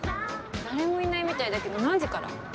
誰もいないみたいだけど何時から？